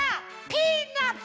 ピーナツ！